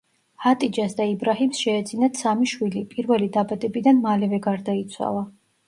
ჰატიჯეს და იბრაჰიმს შეეძინათ სამი შვილი, პირველი დაბადებიდან მალევე გარდაიცვალა.